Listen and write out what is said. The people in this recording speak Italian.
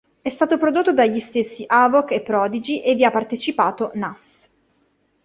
È stato prodotto dagli stessi Havoc e Prodigy e vi ha partecipato Nas.